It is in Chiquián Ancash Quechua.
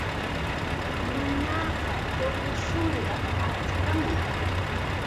Nunapa tuqshunqa achkam.